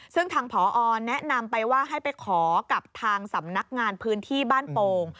ซึ่งทางผอแนะนำไปว่าให้ไปขอกับทางสำนักงานพื้นที่บ้านโป่ง